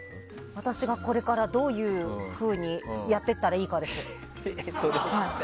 私がこれからどういうふうにやっていったらいいかですよ。